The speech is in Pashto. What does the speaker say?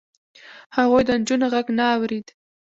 هغوی د نجونو غږ نه اورېد.